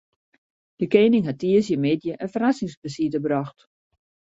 De kening hat tiisdeitemiddei in ferrassingsbesite brocht.